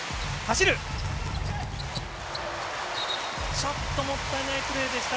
ちょっともったいないプレーでした。